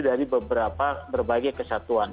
dari beberapa berbagai kesatuan